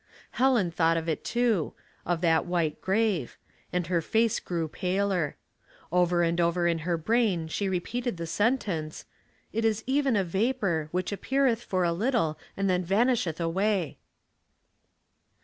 Helen thought of it, too of that white grave — and her face grew paler ; over and over in her brain she repeated the sen tence, "• It is even a vapor, which appeareth for a little, and then vanisheth away."